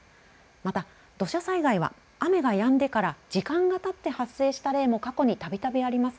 また土砂災害は雨がやんでから時間がたって発生した例も過去にたびたびあります。